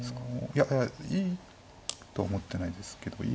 いいと思ってないですけど。